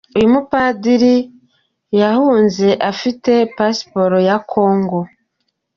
Uyu mupadiri yahunze afite pasiporo ya Congo.